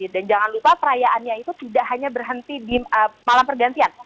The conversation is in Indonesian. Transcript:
dan jangan lupa perayaannya itu tidak hanya berhenti di malam pergantian